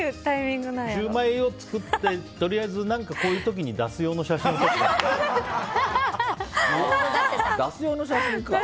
シューマイを作って何かとりあえず、こういう時に出す用の写真を撮ったのかな。